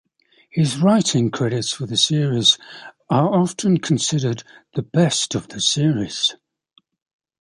His writing credits for the series are often considered the best of the series.